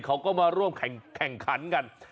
เขาก็มาร่วมแข่งขันกัน